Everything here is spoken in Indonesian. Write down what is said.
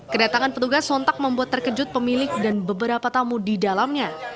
kedatangan petugas sontak membuat terkejut pemilik dan beberapa tamu di dalamnya